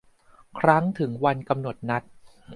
ครั้งถึงวันกำหนดนัด